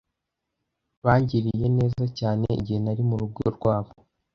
Bangiriye neza cyane igihe nari murugo rwabo.